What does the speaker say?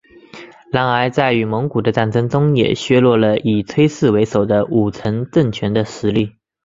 然而在与蒙古的战争中也削弱了以崔氏为首的武臣政权的实力。